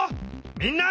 みんな！